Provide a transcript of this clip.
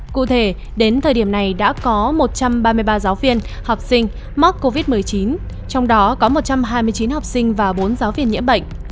cụ thể đến thời điểm này đã có một trăm ba mươi ba giáo viên học sinh mắc covid một mươi chín trong đó có một trăm hai mươi chín học sinh và bốn giáo viên nhiễm bệnh